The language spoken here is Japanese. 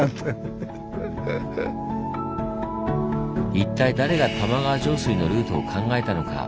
一体誰が玉川上水のルートを考えたのか？